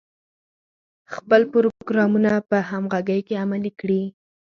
خپل پروګرامونه په همغږۍ کې عملي کړي.